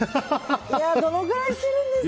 どのくらいしてるんですか。